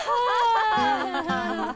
アハハハハ。